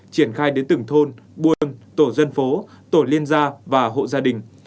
triển khai đến từng thôn buôn tổ dân phố tổ liên gia và hộ gia đình